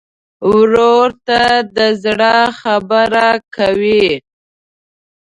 ورور ته د زړه خبره کوې.